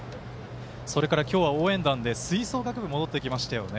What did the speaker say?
それから今日は応援団で吹奏楽部が戻ってきましたよね。